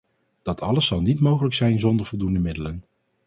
Dat alles zal niet mogelijk zijn zonder voldoende middelen.